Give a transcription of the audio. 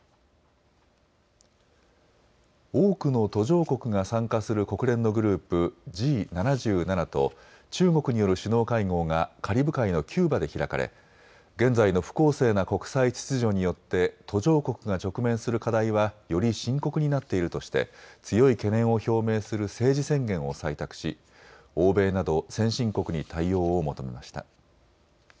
多くの途上国が参加する国連のグループ、Ｇ７７と中国による首脳会合がカリブ海のキューバで開かれ現在の不公正な国際秩序によって途上国が直面する課題はより深刻になっているとして強い懸念を表明する政治宣言を採択し、欧米など先進国に対応を求めました。